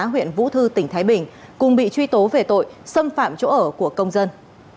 huyện vũ thư tỉnh thái bình cùng bị truy tố về tội xâm phạm chỗ ở của công dân